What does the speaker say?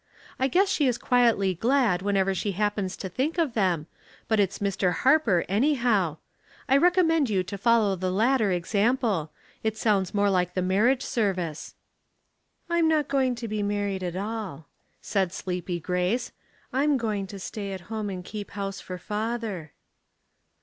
I guess she is quietly glad whenever she happens to think of them, but it's l\Ir. Hcirper anyhow, I recommend you to follow the latter example ; it sounds more like the marriage service." " I'm not going to be married at all," said sleepy Grace. " I'm going to stay at home and keep house for father."